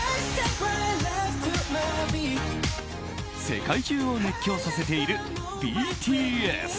世界中を熱狂させているＢＴＳ。